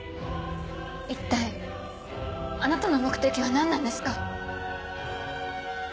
一体あなたの目的は何なんですか？